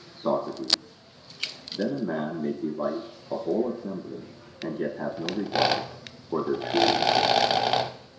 SOCRATES: Then a man may delight a whole assembly, and yet have no regard for their true interests?